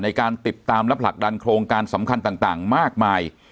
ในการติดตามและผลักดันโครงการสำคัญต่างมากมาย